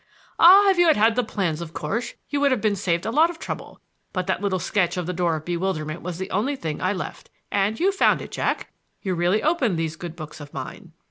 "Ah, if you had had the plans of course you would have been saved a lot of trouble; but that little sketch of the Door of Bewilderment was the only thing I left, —and you found it, Jack,—you really opened these good books of mine."